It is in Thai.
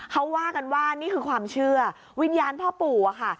เขาว่ากันว่านี่คือความเชื่อวิญญาณพ่อปู่อะค่ะ